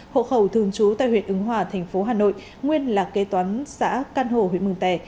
hộ khẩu thường trú tại huyện ứng hòa thành phố hà nội nguyên là kế toán xã căn hồ huyện mường tè